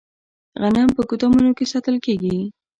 غنم په ګدامونو کې ساتل کیږي.